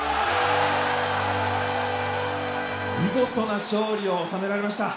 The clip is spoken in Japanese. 見事な勝利を収められました。